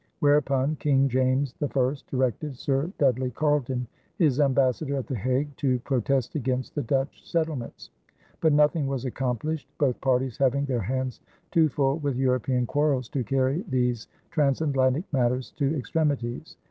Whereupon King James I directed Sir Dudley Carleton, his ambassador at The Hague, to protest against the Dutch settlements; but nothing was accomplished, both parties having their hands too full with European quarrels to carry these transatlantic matters to extremities.